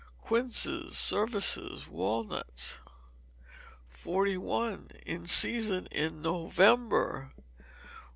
Quinces, services, walnuts. 41. In Season in November.